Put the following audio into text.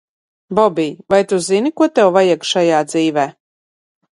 Bobij, vai tu zini, ko tev vajag šajā dzīvē?